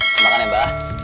makan ya abah